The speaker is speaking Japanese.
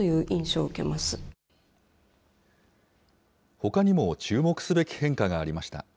ほかにも注目すべき変化がありました。